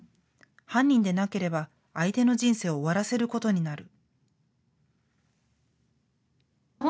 犯人でなければ相手の人生を終わらせることになる。